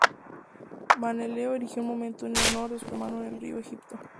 Menelao erigió un monumento en honor de su hermano en el río Egipto.